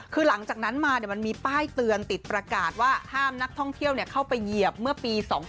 คือหลังจากนั้นมามันมีป้ายเตือนติดประกาศว่าห้ามนักท่องเที่ยวเข้าไปเหยียบเมื่อปี๒๕๖